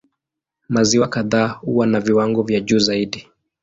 Maziwa kadhaa huwa na viwango vya juu zaidi.